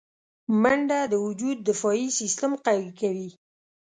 منډه د وجود دفاعي سیستم قوي کوي